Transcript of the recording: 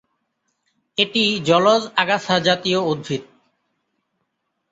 এটি জলজ আগাছা জাতীয় উদ্ভিদ।